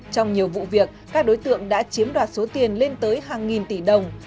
trong nhiều vụ việc các đối tượng đã chiếm đoạt số tiền lên tới hàng nghìn tỷ đồng